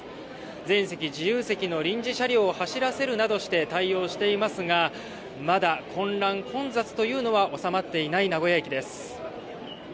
全席自由席の臨時車両を走らせるなどして対応していますがまだ混乱、混雑というのは収まっていない名古屋駅です。